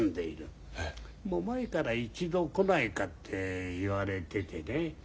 前から一度来ないかって言われててね。